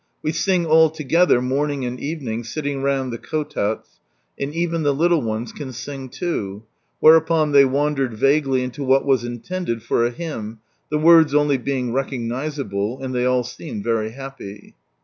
We sing all together, morning and evening, sitting round the kotats, and even the litUe ones can sing too ;" whereupon they wandered vaguely into what was intended for a hymn, the words only being recog nisable—and ihey all seemed very happy.